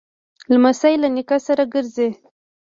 لمسی له نیکه سره ګرځي.